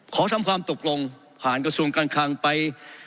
ขอทำความตกลงผ่านกระทรวงการคลังไป